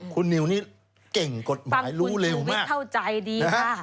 คุณนิวนี่เก่งกฎหมายรู้เร็วมากฟังคุณอยู่วิทย์เข้าใจดีค่ะ